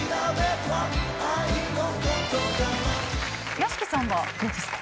屋敷さんはどうですか？